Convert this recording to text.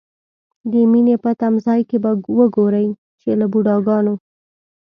د مینې په تمځای کې به وګورئ چې له بوډاګانو.